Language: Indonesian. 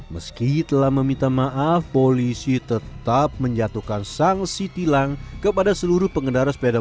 meski telah meminta maaf polisi tetap menjatuhkan sanksi tilang kepada seluruh pengendara sepeda